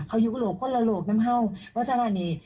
เขาอยู่โลกคนละโลกน้ำเห่าแล้วฉะนั้นเนี่ย